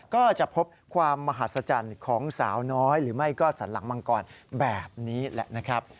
ก็จะพบความมหัศจรรย์ของสาวน้อยหรือไม่ก็สันหลังมังกรแบบนี้แหละนะครับ